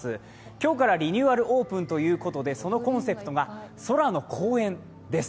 今日からリニューアルオープンということで、コンセプトが空の公園です。